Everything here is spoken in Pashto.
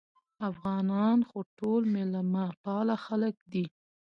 افغانان خو ټول مېلمه پاله خلک دي